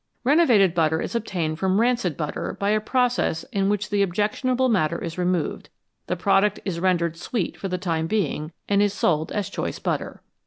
Reno vated butter is obtained from rancid butter by a pro cess in which the objectionable matter is removed ; the product is rendered sweet for the time being, and is sold as choice butter.